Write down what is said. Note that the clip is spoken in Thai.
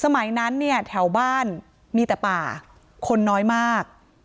สมัยนั้นเนี่ยแถวบ้านมีแต่ป่าคนน้อยมาก